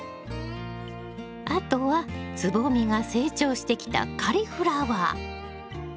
あとは蕾が成長してきたカリフラワー。